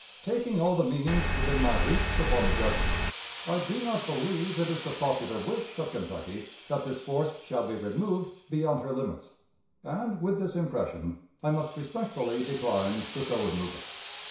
"Taking all the means within my reach to form a judgment, I do not believe it is the popular wish of Kentucky that this force shall be removed beyond her limits; and, with this impression, I must respectfully decline to so remove it.